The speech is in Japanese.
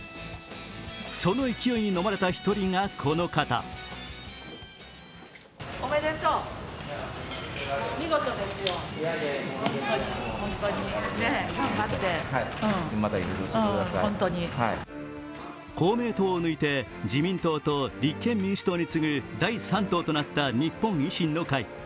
その勢いにのまれた１人が、この方公明党を抜いて自民党と立憲民主党に次ぐ第３党となった日本維新の会。